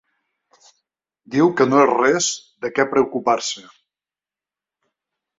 Diu que no és res de què preocupar-se.